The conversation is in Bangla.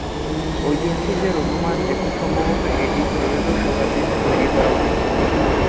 ঐতিহাসিকদের অনুমান যে খুব সম্ভবত এটি ত্রয়োদশ শতাব্দীতে তৈরি করা হয়েছিল।